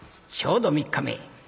ちょうど３日目。